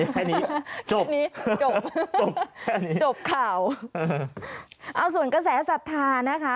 แค่นี้จบแค่นี้จบข่าวเออส่วนกระแสศรรษฐานะคะ